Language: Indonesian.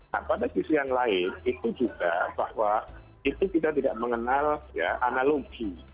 nah pada sisi yang lain itu juga bahwa itu kita tidak mengenal analogi